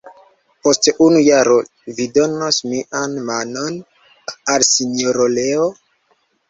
Post unu jaro vi donos mian manon al Sinjoro Leo?